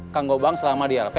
kang gobang selama di lp